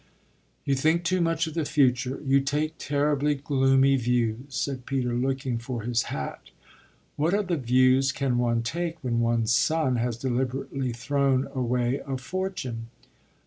"You think too much of the future you take terribly gloomy views," said Peter, looking for his hat. "What other views can one take when one's son has deliberately thrown away a fortune?"